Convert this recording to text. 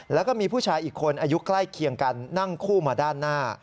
แล้วก็มีผู้ชายอีกคนอายุใกล้เคียงกันนั่งคู่มาด้านหน้า